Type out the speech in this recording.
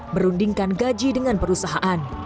merundingkan gaji dengan perusahaan